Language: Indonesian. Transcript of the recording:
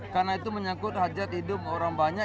karena itu menyangkut hajat hidup orang banyak